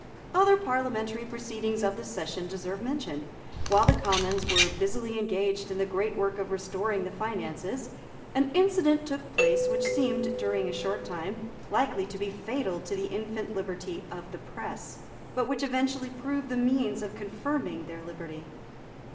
Other parliamentary proceedings of this session deserve mention. While the Commons were busily engaged in the great work of restoring the finances, an incident took place which seemed, during a short time, likely to be fatal to the infant liberty of the press, but which eventually proved the means of confirming that liberty.